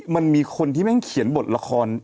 มันมีคนที่แม่งเขียนบทละคร